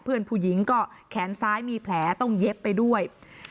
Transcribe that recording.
เพื่อนผู้หญิงก็แขนซ้ายมีแผลต้องเย็บไปด้วย